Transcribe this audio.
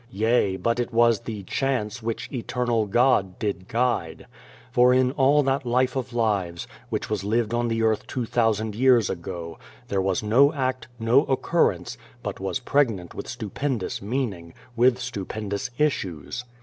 Yea, but it was the "chance" which "Eternal God did guide." For in all that Life of lives, which was lived on the earth two thousand years ago, there was no act, no occurrence, but was pregnant with stupendous meaning, with stupendous issues.